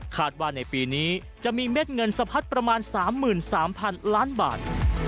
ว่าในปีนี้จะมีเม็ดเงินสะพัดประมาณ๓๓๐๐๐ล้านบาท